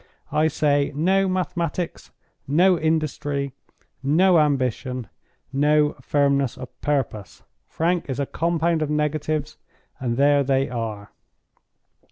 I say, No mathematics, no industry, no ambition, no firmness of purpose. Frank is a compound of negatives—and there they are."